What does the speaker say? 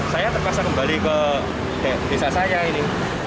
saya terpaksa kembali ke desa saya ini